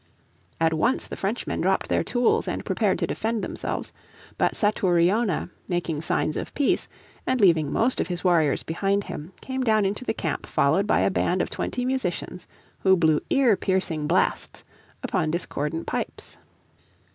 At once the Frenchmen dropped their tools and prepared to defend themselves. But Satouriona, making signs of peace, and leaving most of his warriors behind him, came down into the camp followed by a band of twenty musicians who blew ear piercing blasts upon discordant pipes.